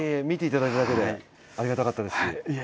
「見て頂けただけでありがたかったです」